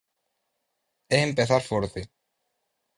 É empezar forte.